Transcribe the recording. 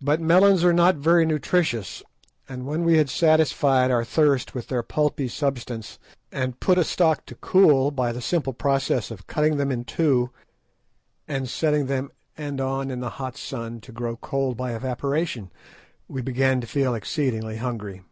But melons are not very nutritious, and when we had satisfied our thirst with their pulpy substance, and put a stock to cool by the simple process of cutting them in two and setting them end on in the hot sun to grow cold by evaporation, we began to feel exceedingly hungry.